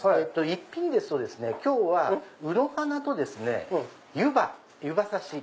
１品ですと今日はうの花と湯葉刺し。